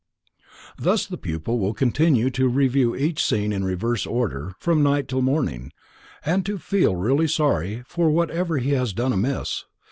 Thus the pupil will continue to review each scene in reverse order from night till morning, and to feel really sorry for whatever he has done amiss.